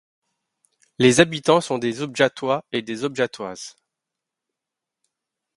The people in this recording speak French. Les habitants sont des Objatois et des Objatoises.